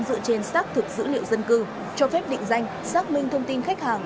dựa trên xác thực dữ liệu dân cư cho phép định danh xác minh thông tin khách hàng